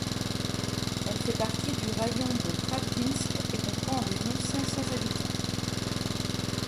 Elle fait partie du raïon de Pravdinsk et comprend environ cinq cents habitants.